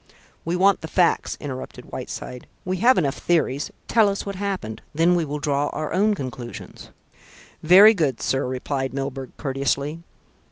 "We want the facts," interrupted Whiteside. "We have enough theories. Tell us what happened. Then we will draw our own conclusions." "Very good, sir," replied Milburgh courteously.